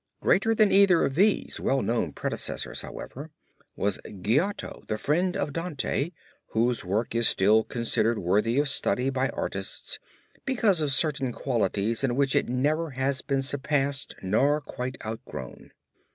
Greater than either of these well known predecessors however, was Giotto the friend of Dante, whose work is still considered worthy of study by artists because of certain qualities in which it never has been surpassed nor quite outgrown.